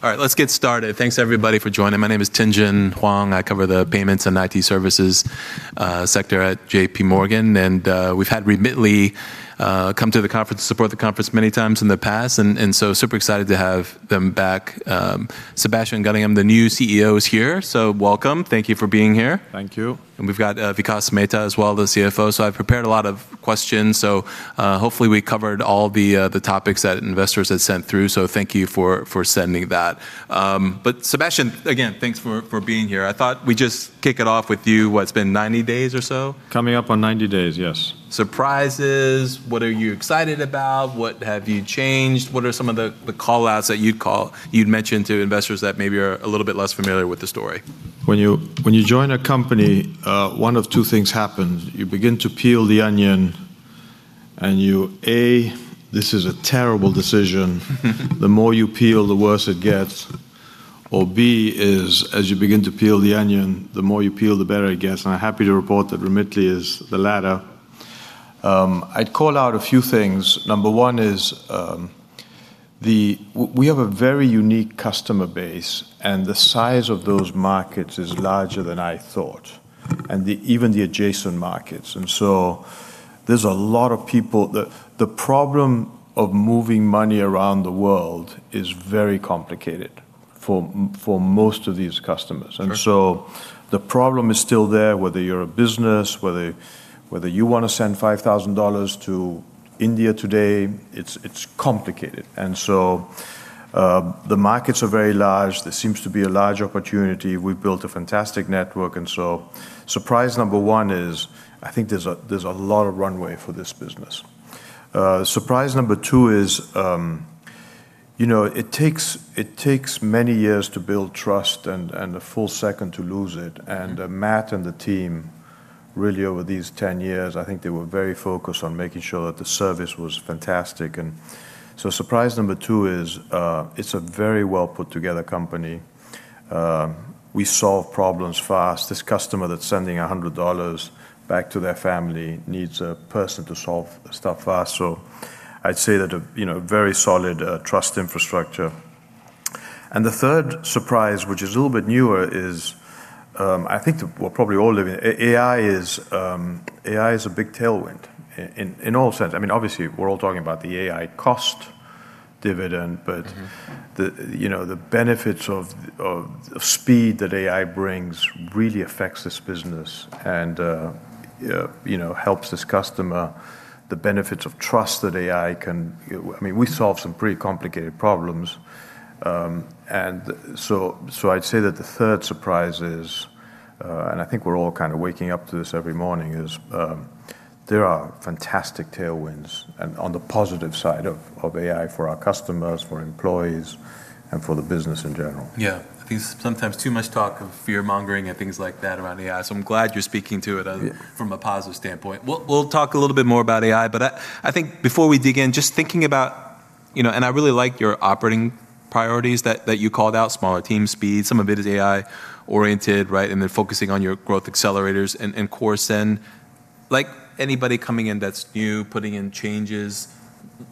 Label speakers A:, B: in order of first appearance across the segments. A: All right, let's get started. Thanks everybody for joining. My name is Tien-Tsin Huang. I cover the payments and IT services sector at JPMorgan, we've had Remitly come to the conference, support the conference many times in the past super excited to have them back. Sebastian Gunningham, the new CEO, is here, welcome. Thank you for being here.
B: Thank you.
A: We've got Vikas Mehta as well, the CFO. I've prepared a lot of questions, hopefully we covered all the topics that investors had sent through, thank you for sending that. Sebastian, again, thanks for being here. I thought we'd just kick it off with you. What, it's been 90 days or so?
B: Coming up on 90 days, yes.
A: Surprises, what are you excited about? What have you changed? What are some of the call-outs that you'd mention to investors that maybe are a little bit less familiar with the story?
B: When you join a company, one of two things happens. You begin to peel the onion, you, A, this is a terrible decision. The more you peel, the worse it gets. B is as you begin to peel the onion, the more you peel, the better it gets. I'm happy to report that Remitly is the latter. I'd call out a few things. Number one is, we have a very unique customer base, and the size of those markets is larger than I thought, and even the adjacent markets. There's a lot of people The problem of moving money around the world is very complicated for most of these customers.
A: Sure.
B: The problem is still there, whether you're a business, whether you wanna send $5,000 to India today. It's complicated. The markets are very large. There seems to be a large opportunity. We've built a fantastic network, and so surprise number one is I think there's a lot of runway for this business. Surprise number two is, you know, it takes many years to build trust and a full second to lose it. Matt and the team really over these 10 years, I think they were very focused on making sure that the service was fantastic. Surprise number two is, it's a very well put together company. We solve problems fast. This customer that's sending $100 back to their family needs a person to solve stuff fast. I'd say that, you know, very solid trust infrastructure. The third surprise, which is a little bit newer, is, I think we're probably all living. AI is a big tailwind. I mean, obviously we're all talking about the AI cost dividend. The, you know, the benefits of speed that AI brings really affects this business and, you know, helps this customer. The benefits of trust that AI can, I mean, we solve some pretty complicated problems. I'd say that the third surprise is, and I think we're all kinda waking up to this every morning, is, there are fantastic tailwinds on the positive side of AI for our customers, for employees, and for the business in general.
A: Yeah. I think it's sometimes too much talk of fear-mongering and things like that around AI. I'm glad you're speaking to it.
B: Yeah
A: From a positive standpoint. We'll talk a little bit more about AI, but I think before we dig in, just thinking about, you know, I really like your operating priorities that you called out, smaller team speed, some of it is AI oriented, right? Then focusing on your growth accelerators and course then like anybody coming in that's new, putting in changes,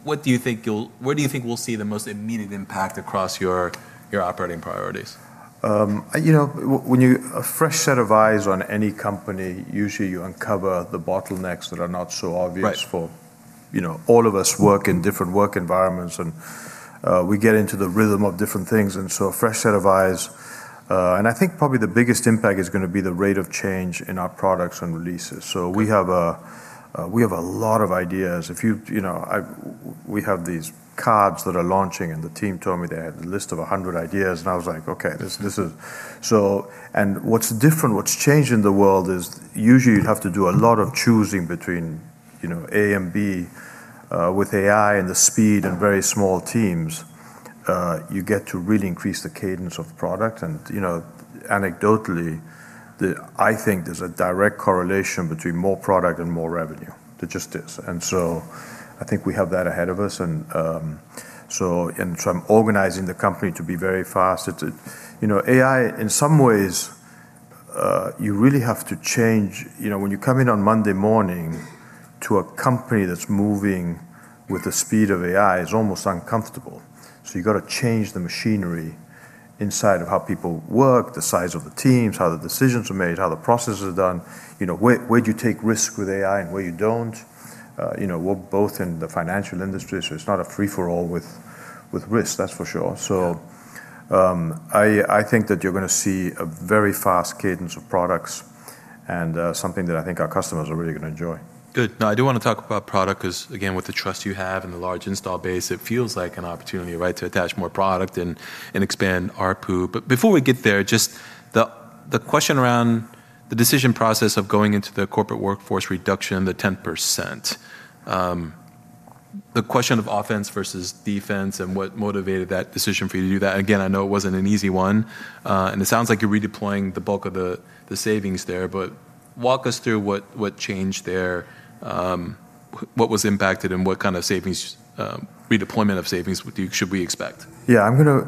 A: what do you think we'll see the most immediate impact across your operating priorities?
B: You know, when you a fresh set of eyes on any company, usually you uncover the bottlenecks that are not so obvious.
A: Right
B: For, you know, all of us work in different work environments and, we get into the rhythm of different things, and so a fresh set of eyes. I think probably the biggest impact is gonna be the rate of change in our products and releases.
A: Sure.
B: We have a lot of ideas. If you know, we have these cards that are launching, and the team told me they had a list of 100 ideas, and I was like, Okay, this is What's different, what's changed in the world is usually you have to do a lot of choosing between, you know, a and b. With AI and the speed and very small teams, you get to really increase the cadence of product. You know, anecdotally, I think there's a direct correlation between more product and more revenue.
A: There just is.
B: I think we have that ahead of us. I'm organizing the company to be very fast. It's a, you know, AI in some ways, you really have to change, you know, when you come in on Monday morning to a company that's moving with the speed of AI, it's almost uncomfortable. You gotta change the machinery inside of how people work, the size of the teams, how the decisions are made, how the process is done. You know, where do you take risk with AI and where you don't. You know, we're both in the financial industry, so it's not a free-for-all with risk, that's for sure.
A: Yeah.
B: I think that you're gonna see a very fast cadence of products and something that I think our customers are really gonna enjoy.
A: Good. Now, I do wanna talk about product 'cause again, with the trust you have and the large install base, it feels like an opportunity, right, to attach more product and expand ARPU. Before we get there, just the question around the decision process of going into the corporate workforce reduction, the 10%, the question of offense versus defense and what motivated that decision for you to do that. Again, I know it wasn't an easy one, and it sounds like you're redeploying the bulk of the savings there, but walk us through what changed there, what was impacted and what kind of savings, redeployment of savings would you, should we expect?
B: Yeah, I'm gonna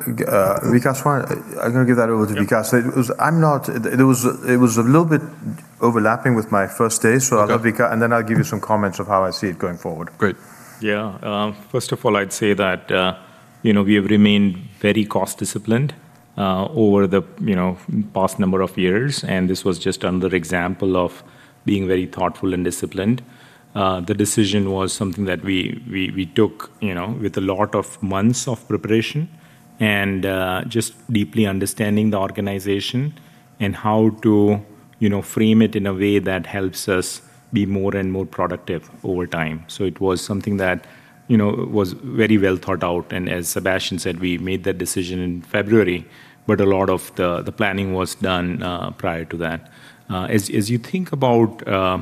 B: Vikas, I'm gonna give that over to Vikas.
A: Yeah.
B: It was a little bit overlapping with my first day.
A: Okay
B: let Vikas and then I'll give you some comments of how I see it going forward.
A: Great.
C: Yeah. First of all, I'd say that, you know, we have remained very cost disciplined. Over the, you know, past number of years, and this was just another example of being very thoughtful and disciplined. The decision was something that we took, you know, with a lot of months of preparation and, just deeply understanding the organization and how to, you know, frame it in a way that helps us be more and more productive over time. It was something that, you know, was very well thought out. As Sebastian said, we made that decision in February, but a lot of the planning was done prior to that. As you think about,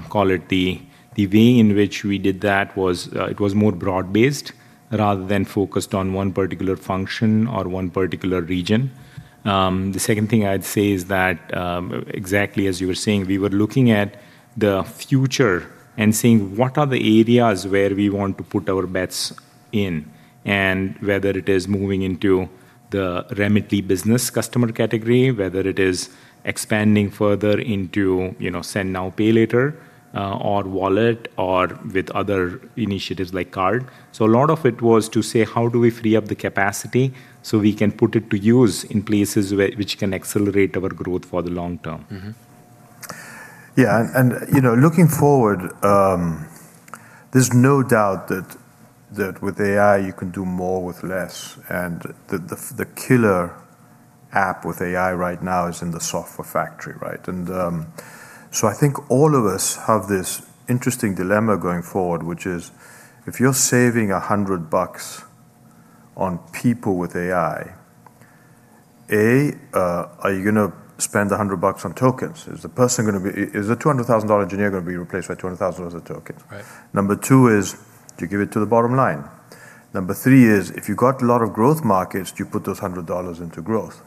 C: call it the way in which we did that was, it was more broad-based rather than focused on one particular function or one particular region. The second thing I'd say is that, exactly as you were saying, we were looking at the future and seeing what are the areas where we want to put our bets in, and whether it is moving into the Remitly for Business customer category, whether it is expanding further into, you know, send now, pay later, or wallet or with other initiatives like card. A lot of it was to say, how do we free up the capacity so we can put it to use in places which can accelerate our growth for the long term.
B: Yeah. You know, looking forward, there's no doubt that with AI you can do more with less, and the killer app with AI right now is in the software factory, right? I think all of us have this interesting dilemma going forward, which is if you're saving $100 on people with AI, are you gonna spend the $100 on tokens? Is the person gonna be is a $200,000 engineer gonna be replaced by $200,000 of tokens?
A: Right.
B: Number two is, do you give it to the bottom line? Number three is, if you've got a lot of growth markets, do you put those $100 into growth?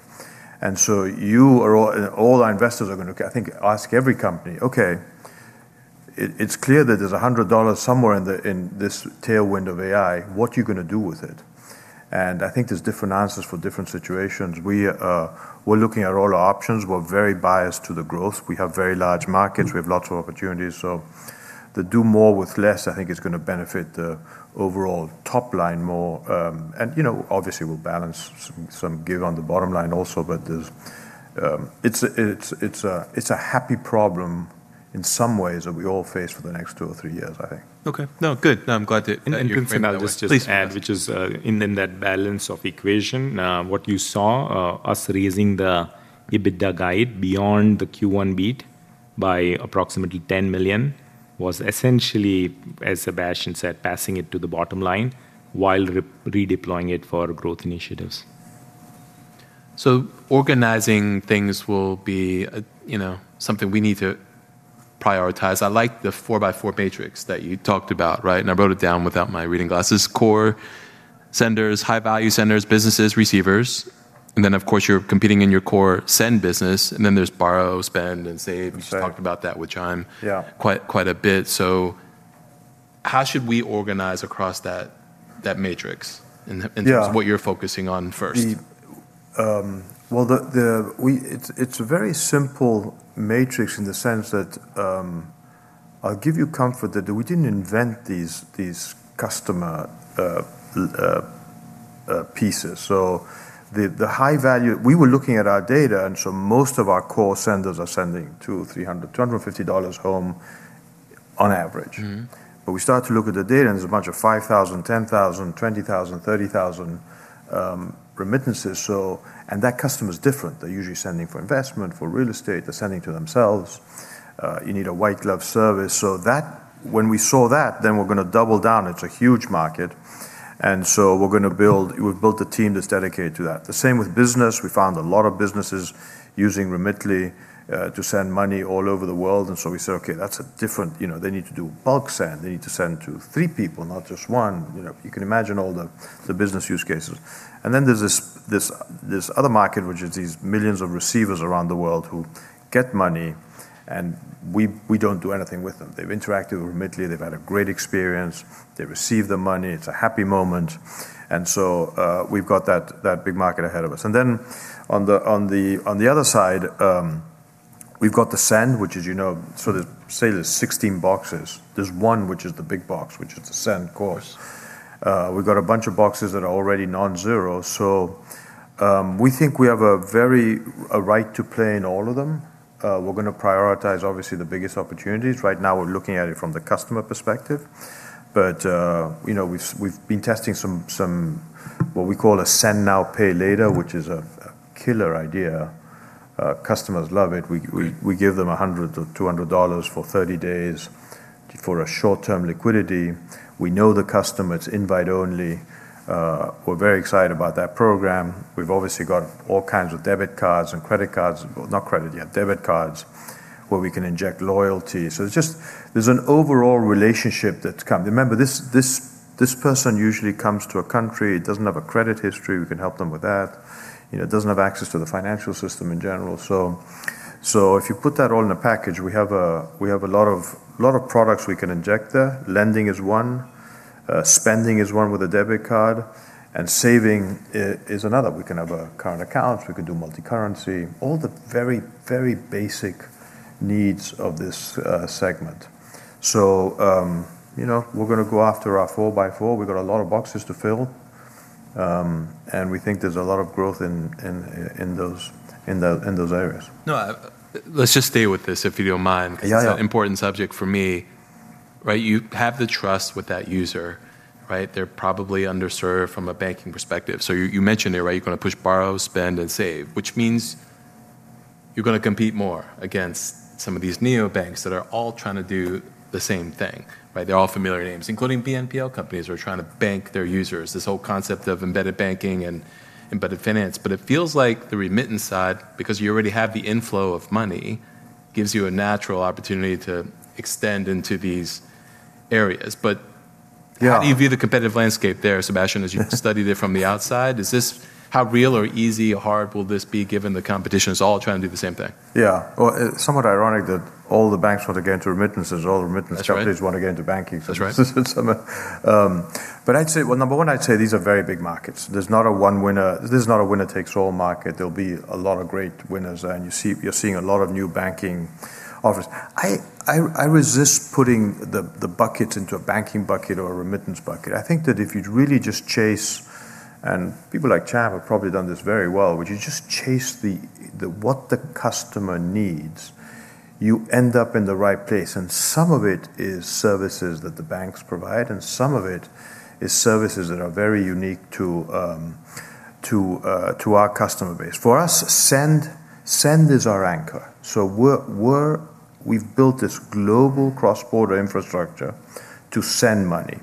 B: you are all our investors are gonna I think ask every company, Okay, it's clear that there's $100 somewhere in the, in this tailwind of AI. What you gonna do with it? I think there's different answers for different situations. We, we're looking at all our options. We're very biased to the growth. We have very large markets. We have lots of opportunities. The do more with less, I think is gonna benefit the overall top line more. you know, obviously we'll balance some give on the bottom line also, but there's. It's a happy problem in some ways that we all face for the next two or three years, I think.
A: Okay. No, good. No, I'm glad to you confirmed that.
C: I'll just add.
A: Please
C: which is, in that balance of equation, what you saw, us raising the EBITDA guide beyond the Q1 beat by approximately $10 million was essentially, as Sebastian said, passing it to the bottom line while redeploying it for growth initiatives.
A: Organizing things will be, you know, something we need to prioritize. I like the 4x4 matrix that you talked about, right? I wrote it down without my reading glasses. Core senders, high value senders, businesses, receivers, and then of course you're competing in your core send business, and then there's borrow, spend, and save.
B: Right.
A: You just talked about that with John.
B: Yeah
A: quite a bit. How should we organize across that matrix in terms-
B: Yeah
A: of what you're focusing on first?
B: Well, It's a very simple matrix in the sense that, I'll give you comfort that we didn't invent these customer pieces. The high value We were looking at our data, and so most of our core senders are sending two, $300, $250 home on average. We start to look at the data and there's a bunch of $5,000, $10,000, $20,000, $30,000 remittances. That customer's different. They're usually sending for investment, for real estate. They're sending to themselves. You need a white glove service. When we saw that, we're gonna double down. It's a huge market. We've built a team that's dedicated to that. The same with business. We found a lot of businesses using Remitly to send money all over the world. We said, Okay, that's a different. You know, they need to do bulk send. They need to send to three people, not just one. You know, you can imagine all the business use cases. There's this other market, which is these millions of receivers around the world who get money, we don't do anything with them. They've interacted with Remitly. They've had a great experience. They receive the money. It's a happy moment. We've got that big market ahead of us. On the other side, we've got the send, which as you know, sort of say there's 16 boxes. There's one which is the big box, which is the send, of course. We've got a bunch of boxes that are already non-zero. We think we have a very right to play in all of them. We're gonna prioritize obviously the biggest opportunities. Right now we're looking at it from the customer perspective, you know, we've been testing what we call a send now, pay later, which is a killer idea. Customers love it. We give them $100-$200 for 30 days for a short-term liquidity. We know the customer. It's invite only. We're very excited about that program. We've obviously got all kinds of debit cards and credit cards, well, not credit yet, debit cards, where we can inject loyalty. It's just, there's an overall relationship that's come. Remember, this person usually comes to a country, doesn't have a credit history. We can help them with that. You know, doesn't have access to the financial system in general. If you put that all in a package, we have a lot of products we can inject there. Lending is one. Spending is one with a debit card, and saving is another. We can have a current account. We can do multicurrency. All the very basic needs of this segment. You know, we're gonna go after our 4x4. We've got a lot of boxes to fill. We think there's a lot of growth in those areas.
A: No, let's just stay with this, if you don't mind.
B: Yeah, yeah.
A: It's an important subject for me, right? You have the trust with that user, right? They're probably underserved from a banking perspective. You mentioned there, right, you're gonna push borrow, spend, and save, which means you're gonna compete more against some of these neobanks that are all trying to do the same thing, right? They're all familiar names, including BNPL companies who are trying to bank their users. This whole concept of embedded banking and embedded finance. It feels like the remittance side, because you already have the inflow of money, gives you a natural opportunity to extend into these areas.
B: Yeah
A: how do you view the competitive landscape there, Sebastian, as you've studied it from the outside? Is this. How real or easy or hard will this be given the competition is all trying to do the same thing?
B: Yeah. Well, somewhat ironic that all the banks want to get into remittances, all the remittance companies-
A: That's right.
B: wanna get into banking.
A: That's right.
B: I'd say, number one, I'd say these are very big markets. There's not a one winner. This is not a winner takes all market. There'll be a lot of great winners there, and you're seeing a lot of new banking offers. I resist putting the bucket into a banking bucket or a remittance bucket. I think that if you'd really just chase, and people like Chime have probably done this very well, which is just chase the what the customer needs, you end up in the right place. Some of it is services that the banks provide, and some of it is services that are very unique to our customer base. For us, send is our anchor. We've built this global cross-border infrastructure to send money.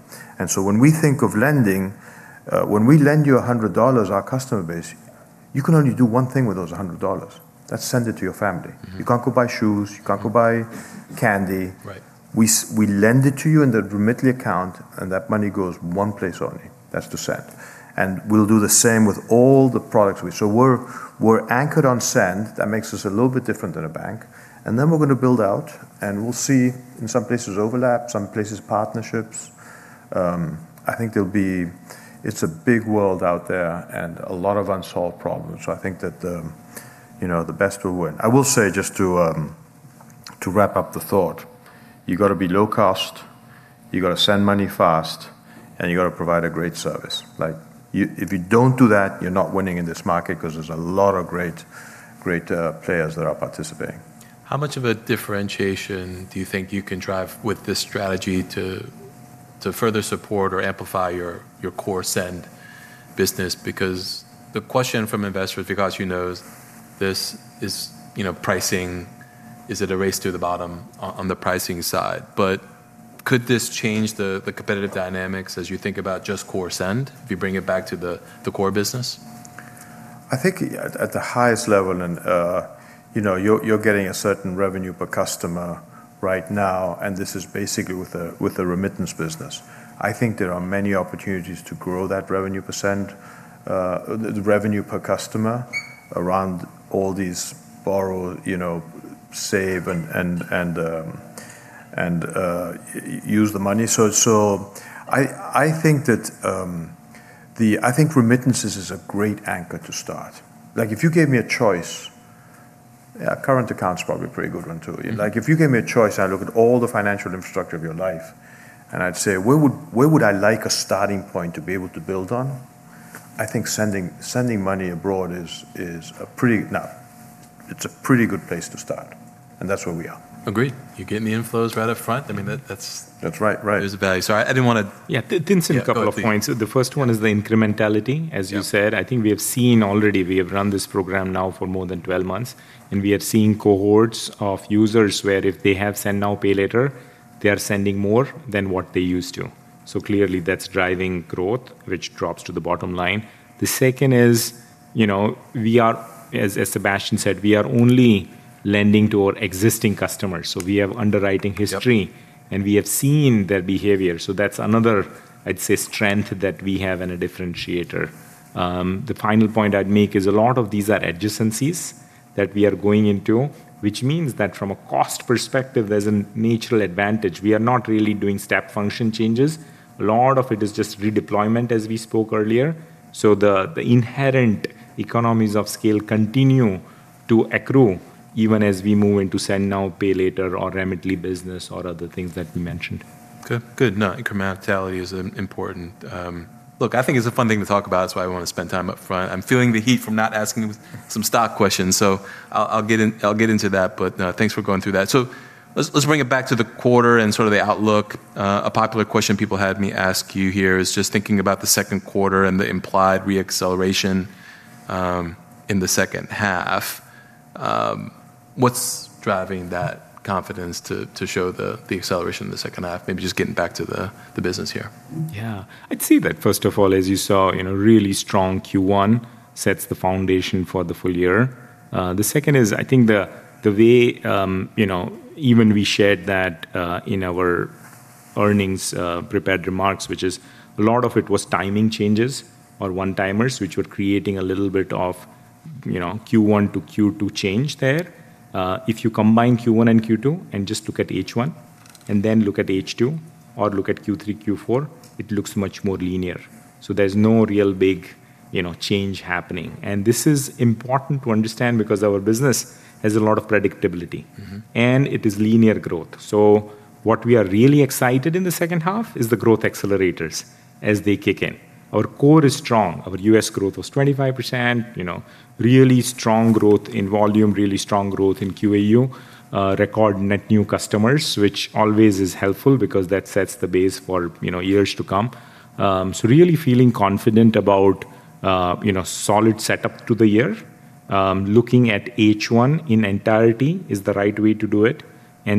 B: When we think of lending, when we lend you $100, our customer base, you can only do one thing with those $100. That's send it to your family. You can't go buy shoes. You can't go buy candy.
A: Right.
B: We lend it to you in the Remitly account. That money goes one place only. That's to send. We'll do the same with all the products. We're anchored on send. That makes us a little bit different than a bank. Then we're gonna build out. We'll see in some places overlap, some places partnerships. I think it's a big world out there and a lot of unsolved problems. I think that, you know, the best will win. I will say, just to wrap up the thought, you gotta be low cost, you gotta send money fast, and you gotta provide a great service. Like, you, if you don't do that, you're not winning in this market 'cause there's a lot of great players that are participating.
A: How much of a differentiation do you think you can drive with this strategy to further support or amplify your core send business? The question from investors, because you know this is, you know, pricing, is it a race to the bottom on the pricing side? Could this change the competitive dynamics as you think about just core send, if you bring it back to the core business?
B: I think at the highest level, you know, you're getting a certain revenue per customer right now, and this is basically with the remittance business. I think there are many opportunities to grow that revenue percent. The revenue per customer around all these borrow, you know, save and, and use the money. I think that I think remittances is a great anchor to start. Like, if you gave me a choice, a current account's probably a pretty good one too.
A: Yeah.
B: Like, if you gave me a choice, I'd look at all the financial infrastructure of your life, and I'd say, Where would I like a starting point to be able to build on? I think sending money abroad is a pretty good place to start, and that's where we are.
A: Agreed. You're getting the inflows right up front. I mean.
B: That's right. Right.
A: there's the value. Sorry, I didn't wanna-
C: Yeah. Didn't see a couple of points.
A: Go ahead. Yeah.
C: The first one is the incrementality, as you said.
A: Yeah.
C: I think we have seen already, we have run this program now for more than 12 months, and we have seen cohorts of users where if they have send now, pay later, they are sending more than what they used to. Clearly that's driving growth, which drops to the bottom line. The second is, you know, as Sebastian said, we are only lending to our existing customers. We have underwriting history.
A: Yep.
C: We have seen their behavior, so that's another, I'd say, strength that we have and a differentiator. The final point I'd make is a lot of these are adjacencies that we are going into, which means that from a cost perspective, there's a natural advantage. We are not really doing step function changes. A lot of it is just redeployment, as we spoke earlier. The inherent economies of scale continue to accrue even as we move into send now, pay later or Remitly for Business or other things that we mentioned.
A: Okay. Good. No, incrementality is important. Look, I think it's a fun thing to talk about. That's why I wanna spend time up front. I'm feeling the heat from not asking some stock questions, so I'll get into that, but thanks for going through that. Let's bring it back to the quarter and sort of the outlook. A popular question people had me ask you here is just thinking about the second quarter and the implied re-acceleration in the second half. What's driving that confidence to show the acceleration in the second half? Maybe just getting back to the business here.
C: Yeah. I'd say that first of all, as you saw, you know, really strong Q1 sets the foundation for the full year. The second is I think the way, you know, even we shared that, in our earnings, prepared remarks, which is a lot of it was timing changes or one-timers, which were creating a little bit of, you know, Q1 to Q2 change there. If you combine Q1 and Q2 and just look at And then look at H2 or look at Q3, Q4, it looks much more linear. So there's no real big, you know, change happening. This is important to understand because our business has a lot of predictability. It is linear growth. What we are really excited in the second half is the growth accelerators as they kick in. Our core is strong. Our U.S. growth was 25%, you know. Really strong growth in volume, really strong growth in QAU. Record net new customers, which always is helpful because that sets the base for, you know, years to come. Really feeling confident about, you know, solid setup to the year. Looking at H1 in entirety is the right way to do it,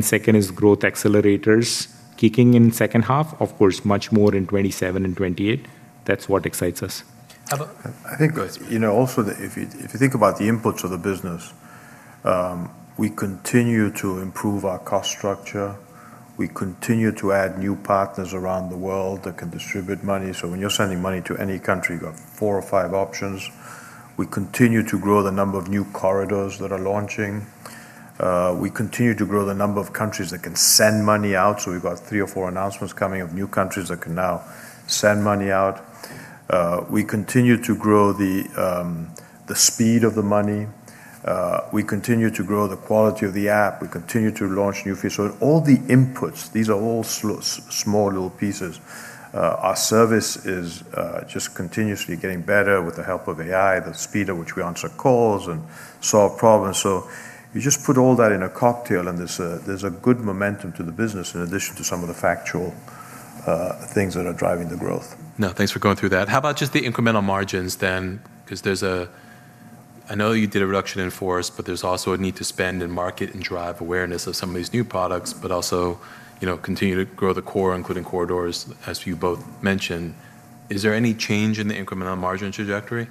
C: second is growth accelerators kicking in second half. Of course, much more in 2027 and 2028. That's what excites us.
A: How about.
B: I think-
A: Go ahead.
B: you know, also the if you, if you think about the inputs of the business, we continue to improve our cost structure. We continue to add new partners around the world that can distribute money. When you're sending money to any country, you got four or five options. We continue to grow the number of new corridors that are launching. We continue to grow the number of countries that can send money out, so we've got three or four announcements coming of new countries that can now send money out. We continue to grow the speed of the money. We continue to grow the quality of the app. We continue to launch new features. All the inputs, these are all small little pieces. Our service is just continuously getting better with the help of AI, the speed at which we answer calls and solve problems. You just put all that in a cocktail and there's a good momentum to the business in addition to some of the factual, things that are driving the growth.
A: No, thanks for going through that. How about just the incremental margins then? 'Cause I know you did a reduction in force, but there's also a need to spend in market and drive awareness of some of these new products, but also, you know, continue to grow the core, including corridors, as you both mentioned. Is there any change in the incremental margin trajectory?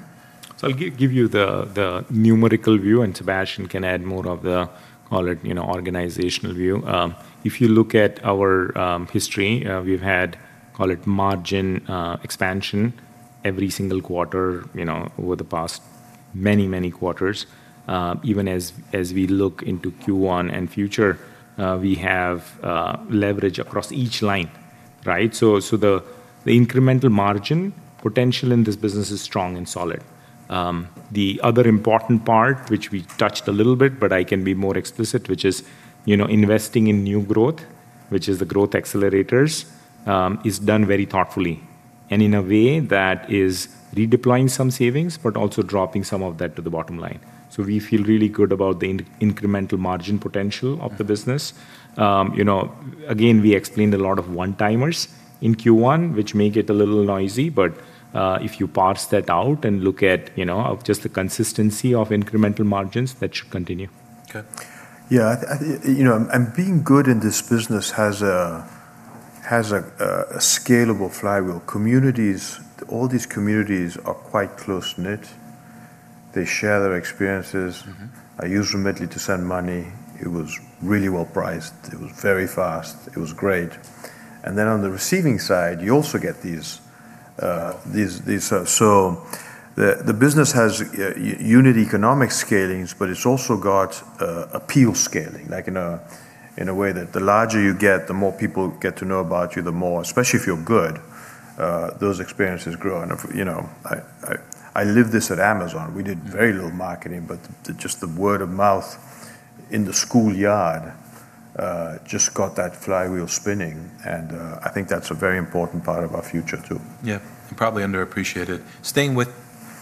C: I'll give you the numerical view, and Sebastian can add more of the call it, you know, organizational view. If you look at our history, we've had, call it margin, expansion every single quarter, you know, over the past many quarters. Even as we look into Q1 and future, we have leverage across each line, right? The incremental margin potential in this business is strong and solid. The other important part, which we touched a little bit, but I can be more explicit, which is, you know, investing in new growth, which is the growth accelerators, is done very thoughtfully and in a way that is redeploying some savings, but also dropping some of that to the bottom line. We feel really good about the incremental margin potential of the business. You know, again, we explained a lot of one-timers in Q1, which may get a little noisy, but if you parse that out and look at, you know, of just the consistency of incremental margins, that should continue.
A: Okay.
B: Yeah. I, you know, being good in this business has a scalable flywheel. Communities, all these communities are quite close-knit. They share their experiences. I used Remitly to send money. It was really well priced. It was very fast. It was great. On the receiving side, the business has unit economic scalings, but it's also got appeal scaling, like in a way that the larger you get, the more people get to know about you, the more Especially if you're good, those experiences grow. You know, I lived this at Amazon. We did very little marketing, but the just the word of mouth in the schoolyard just got that flywheel spinning and I think that's a very important part of our future too.
A: Yeah, probably underappreciated. Staying with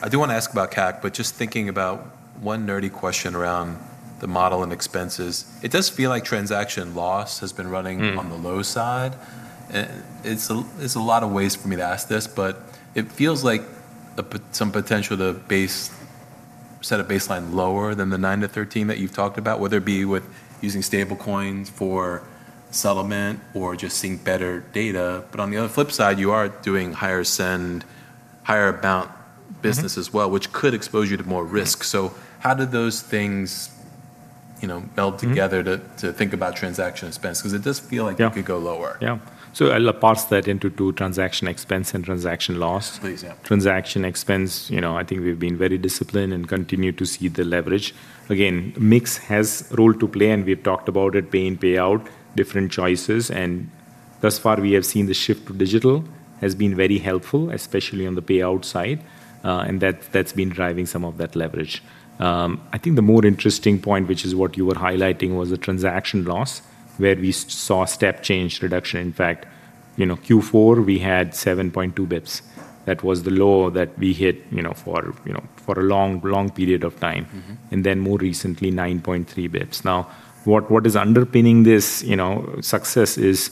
A: I do want to ask about CAC, just thinking about one nerdy question around the model and expenses. It does feel like transaction loss has been running on the low side. It's a, it's a lot of ways for me to ask this, but it feels like some potential set a baseline lower than the 9-13 that you've talked about, whether it be with using stablecoins for settlement or just seeing better data. On the other flip side, you are doing higher send, higher amount business as well, which could expose you to more risk. How do those things, you know, meld together? to think about transaction expense? 'Cause it does feel like.
C: Yeah
A: it could go lower.
C: Yeah. I'll parse that into two, transaction expense and transaction loss.
A: Please, yeah.
C: Transaction expense, you know, I think we've been very disciplined and continue to see the leverage. Mix has role to play, and we've talked about it being payout, different choices, and thus far we have seen the shift to digital has been very helpful, especially on the payout side, and that's been driving some of that leverage. I think the more interesting point, which is what you were highlighting, was the transaction loss, where we saw step change reduction. In fact, you know, Q4 we had 7.2 basis points. That was the low that we hit, you know, for a long period of time. More recently, 9.3 basis points. What is underpinning this, you know, success is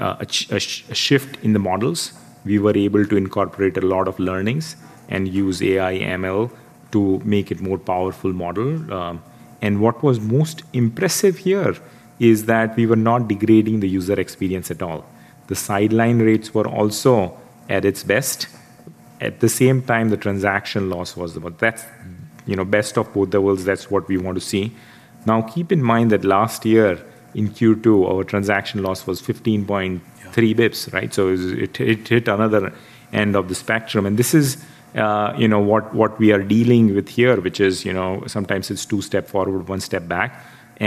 C: a shift in the models. We were able to incorporate a lot of learnings and use AI, ML to make it more powerful model. What was most impressive here is that we were not degrading the user experience at all. The decline rates were also at its best. At the same time, the transaction loss was the best. You know, best of both worlds, that's what we want to see. Keep in mind that last year in Q2, our transaction loss was 15.3 basis points, right? It hit another end of the spectrum, and this is, you know, what we are dealing with here, which is, you know, sometimes it's two step forward, one step back.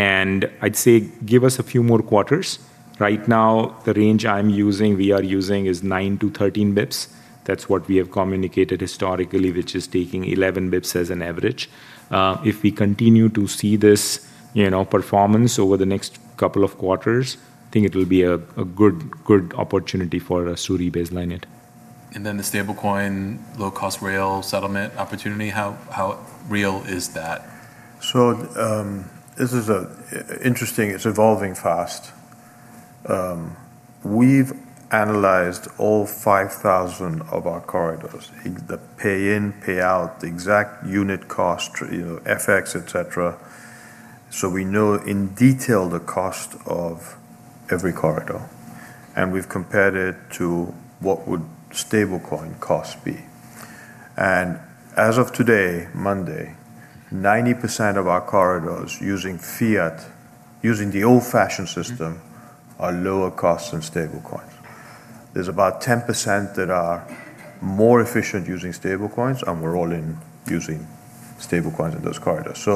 C: I'd say give us a few more quarters. Right now, the range I'm using, we are using is 9-13 basis points. That's what we have communicated historically, which is taking 11 basis points as an average. If we continue to see this, you know, performance over the next couple of quarters, think it will be a good opportunity for us to re-baseline it.
A: Then the stablecoin low cost rail settlement opportunity, how real is that?
B: This is interesting. It's evolving fast. We've analyzed all 5,000 of our corridors, in the pay in, pay out, the exact unit cost, you know, FX, et cetera. We know in detail the cost of every corridor, and we've compared it to what would stablecoin costs be. As of today, Monday, 90% of our corridors using fiat, using the old-fashioned system, are lower cost than stablecoins. There's about 10% that are more efficient using stablecoins, and we're all-in using stablecoins in those corridors.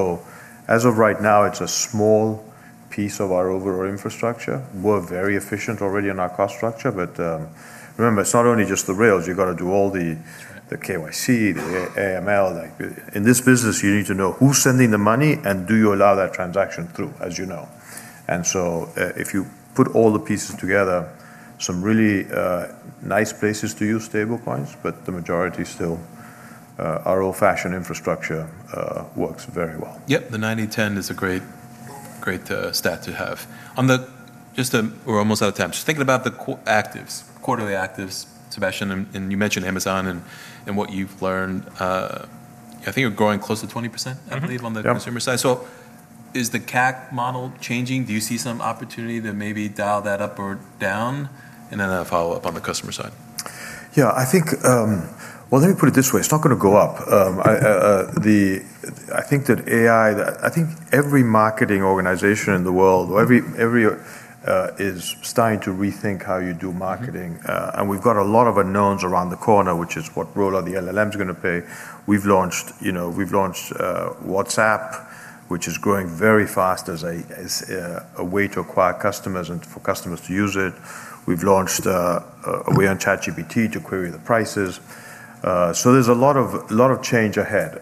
B: As of right now, it's a small piece of our overall infrastructure. We're very efficient already in our cost structure. Remember, it's not only just the rails. You've got to do all the KYC, the AML. Like, in this business, you need to know who's sending the money and do you allow that transaction through, as you know. If you put all the pieces together, some really nice places to use stablecoins, but the majority still, our old-fashioned infrastructure, works very well.
A: Yep. The 9-10 is a great stat to have. We're almost out of time. Just thinking about the quarterly actives, Sebastian, and you mentioned Amazon and what you've learned. I think you're growing close to 20%, I believe.
C: Yep.
A: on the consumer side. Is the CAC model changing? Do you see some opportunity to maybe dial that up or down? A follow-up on the customer side.
B: Yeah, I think, Well, let me put it this way. It's not gonna go up. I think that AI, I think every marketing organization in the world or every, is starting to rethink how you do marketing. We've got a lot of unknowns around the corner, which is what role are the LLMs gonna play. We've launched, you know, WhatsApp, which is growing very fast as a way to acquire customers and for customers to use it. We're on ChatGPT to query the prices. There's a lot of change ahead.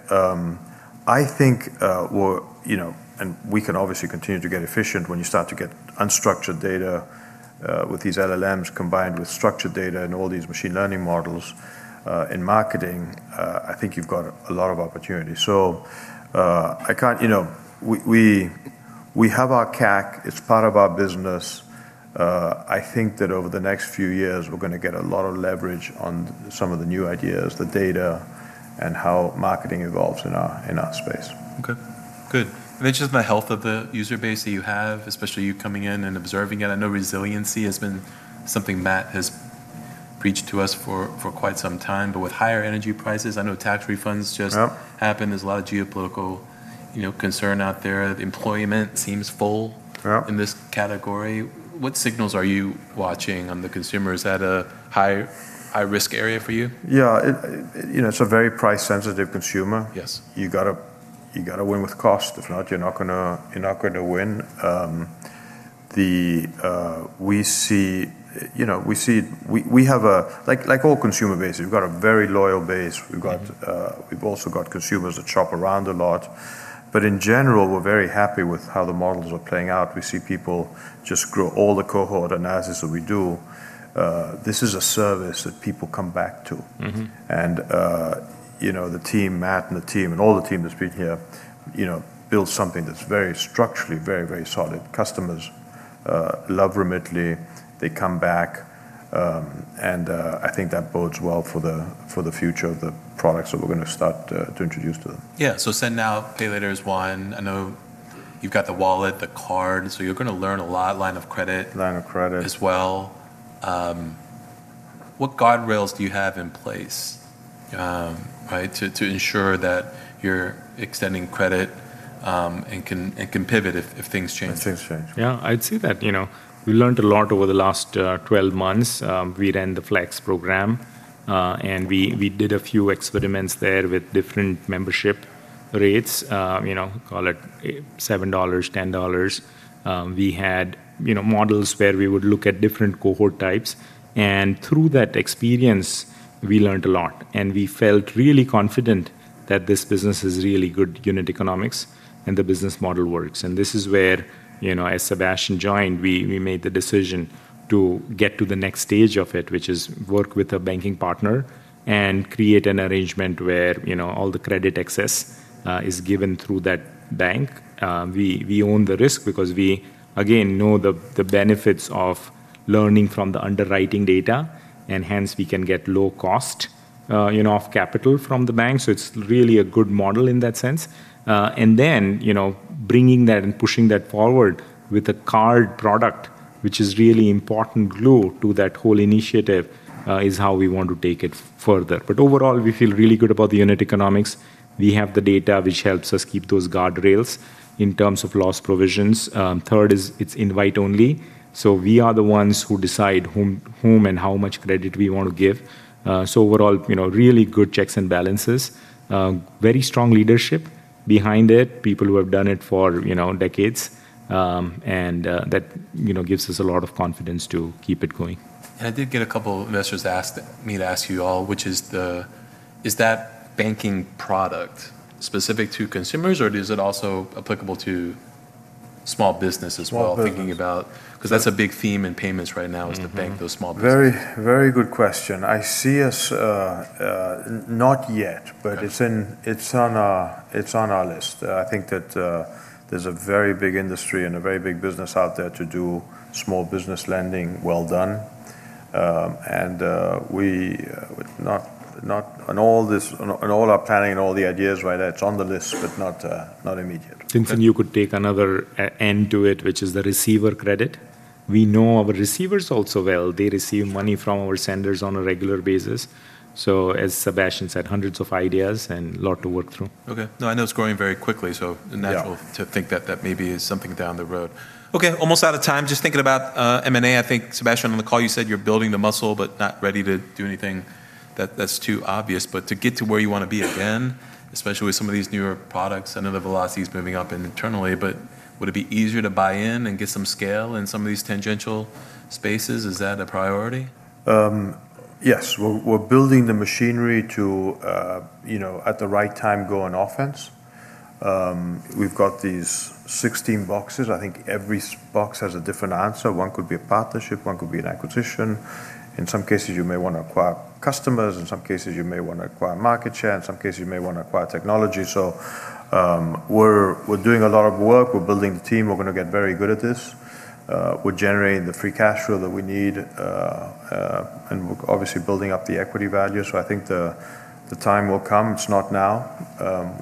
B: I think, we're, you know, and we can obviously continue to get efficient when you start to get unstructured data with these LLMs combined with structured data and all these machine learning models in marketing. I think you've got a lot of opportunity. I can't, you know. We have our CAC. It's part of our business. I think that over the next few years, we're gonna get a lot of leverage on some of the new ideas, the data, and how marketing evolves in our, in our space.
A: Okay. Good. I'm interested in the health of the user base that you have, especially you coming in and observing it. I know resiliency has been something Matt has preached to us for quite some time. With higher energy prices, I know tax refunds.
B: Yep
A: happened. There's a lot of geopolitical, you know, concern out there. Employment seems.
B: Yeah
A: in this category. What signals are you watching on the consumer? Is that a high-risk area for you?
B: Yeah. It, you know, it's a very price sensitive consumer.
A: Yes.
B: You gotta win with cost. If not, you're not gonna win. The, we see, you know, we have a like all consumer bases, we've got a very loyal base. We've got, we've also got consumers that shop around a lot. In general, we're very happy with how the models are playing out. We see people just grow all the cohort analysis that we do. This is a service that people come back to. You know, the team, Matt and the team, and all the team that's been here, you know, built something that's very structurally very solid. Customers love Remitly. They come back. I think that bodes well for the future of the products that we're gonna start to introduce to them.
A: Yeah. Send Now, Pay Later is one. I know you've got the wallet, the card, so you're gonna learn a lot.
B: Line of credit
A: Line of credit as well. What guardrails do you have in place, right, to ensure that you're extending credit, and can pivot if things change?
B: If things change.
C: Yeah. I'd say that, you know, we learned a lot over the last 12 months. We ran the Flex program, and we did a few experiments there with different membership rates. You know, call it $7, $10. We had, you know, models where we would look at different cohort types, and through that experience, we learned a lot, and we felt really confident that this business is really good unit economics, and the business model works. This is where, you know, as Sebastian joined, we made the decision to get to the next stage of it, which is work with a banking partner and create an arrangement where, you know, all the credit access is given through that bank. We own the risk because we, again, know the benefits of learning from the underwriting data, and hence we can get low cost, you know, of capital from the bank. It's really a good model in that sense. You know, bringing that and pushing that forward with a card product, which is really important glue to that whole initiative, is how we want to take it further. Overall, we feel really good about the unit economics. We have the data which helps us keep those guardrails in terms of loss provisions. Third is it's invite only, so we are the ones who decide whom and how much credit we want to give. Overall, you know, really good checks and balances. Very strong leadership behind it, people who have done it for, you know, decades. That, you know, gives us a lot of confidence to keep it going.
A: I did get a couple investors ask me to ask you all, Is that banking product specific to consumers or is it also applicable to small business as well?
B: Small business.
A: Thinking about 'Cause that's a big theme in payments right now. is to bank those small businesses.
B: Very, very good question. I see us not yet, but it's on our list. I think that there's a very big industry and a very big business out there to do small business lending well done. We not on all our planning and all the ideas right there, it's on the list, but not immediate.
C: Since then you could take another end to it, which is the receiver credit. We know our receivers also well. They receive money from our senders on a regular basis. As Sebastian said, hundreds of ideas and lot to work through.
A: Okay. No, I know it's growing very quickly.
B: Yeah
A: Natural to think that that may be something down the road. Okay, almost out of time. Just thinking about M&A, I think, Sebastian, on the call you said you're building the muscle, but not ready to do anything that's too obvious. To get to where you wanna be again, especially with some of these newer products, I know the velocity is moving up internally, but would it be easier to buy in and get some scale in some of these tangential spaces? Is that a priority?
B: Yes. We're, we're building the machinery to, you know, at the right time, go on offense. We've got these 16 boxes. I think every box has a different answer. One could be a partnership, one could be an acquisition. In some cases, you may wanna acquire customers. In some cases, you may wanna acquire market share. In some cases, you may wanna acquire technology. We're, we're doing a lot of work. We're building the team. We're gonna get very good at this. We're generating the free cash flow that we need. And we're obviously building up the equity value. I think the time will come. It's not now.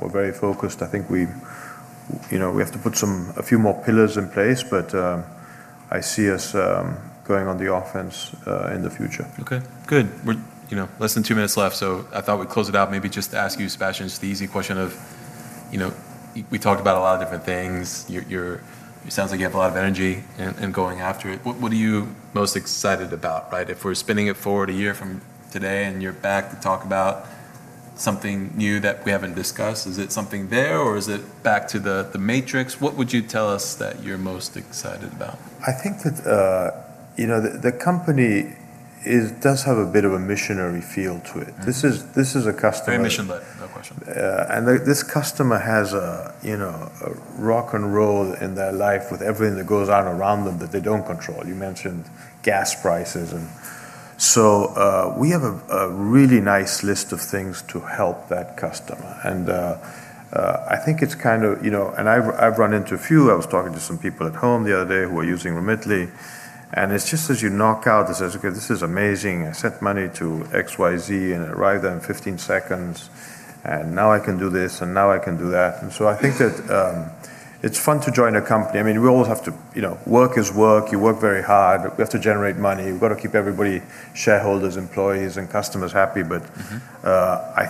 B: We're very focused. I think you know, we have to put a few more pillars in place, but I see us going on the offense in the future.
A: Okay. Good. We're, you know, less than two minutes left, I thought we'd close it out. Maybe just ask you, Sebastian, just the easy question of, you know, we talked about a lot of different things. You sounds like you have a lot of energy in going after it. What are you most excited about, right? If we're spinning it forward a year from today and you're back to talk about something new that we haven't discussed, is it something there or is it back to the matrix? What would you tell us that you're most excited about?
B: I think that, you know, the company does have a bit of a missionary feel to it. This is, this is a customer-
A: Very mission led, no question.
B: Yeah. Like, this customer has a, you know, a rock and roll in their life with everything that goes on around them that they don't control. You mentioned gas prices. We have a really nice list of things to help that customer. I think it's kind of, you know, I've run into a few. I was talking to some people at home the other day who are using Remitly, and it's just as you knock out, they say, Okay, this is amazing. I sent money to XYZ and it arrived there in 15 seconds, and now I can do this, and now I can do that. I think that it's fun to join a company. I mean, we always have to, you know, work is work. You work very hard. We have to generate money. We've gotta keep everybody, shareholders, employees, and customers happy. I,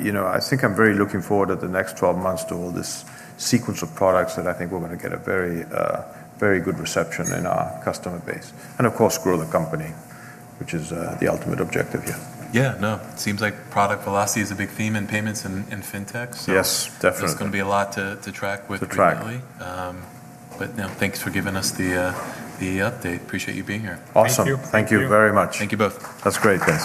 B: you know, I think I'm very looking forward at the next 12 months to all this sequence of products that I think we're gonna get a very, very good reception in our customer base. Of course, grow the company, which is, the ultimate objective.
A: Yeah, no. Seems like product velocity is a big theme in payments in fintech.
B: Yes, definitely.
A: there's gonna be a lot to track with Remitly.
B: To track.
A: No, thanks for giving us the update. Appreciate you being here.
B: Awesome.
C: Thank you. Thank you.
B: Thank you very much.
A: Thank you both.
B: That's great, thanks.